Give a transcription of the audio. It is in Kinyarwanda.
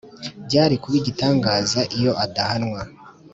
byari kuba igitangaza iyo adahanwa;